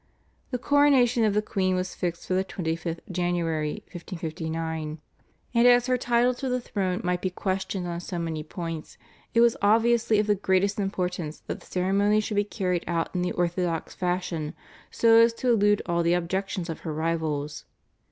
The coronation of the queen was fixed for the 25th January (1559), and as her title to the throne might be questioned on so many points, it was obviously of the greatest importance that the ceremony should be carried out in the orthodox fashion so as to elude all the objections of her rivals.